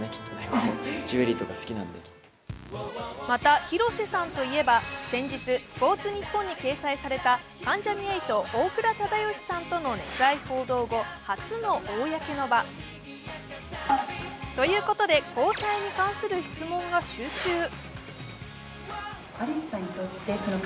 また、広瀬さんといえば先日、「スポーツニッポン」に掲載された関ジャニ∞・大倉忠義さんとの熱愛報道後、初の公の場。ということで、交際に関する質問が集中。